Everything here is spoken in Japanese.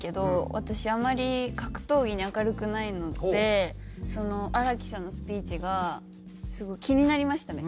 私あまり格闘技に明るくないので荒木さんのスピーチがすごい気になりましたね。